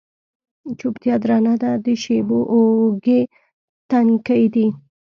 چوپتیا درنه ده د شېبو اوږې، تنکۍ دی